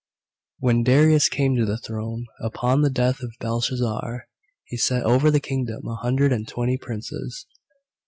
When Darius came to the throne, upon the death of Belshazzar, he set over the kingdom a hundred and twenty princes.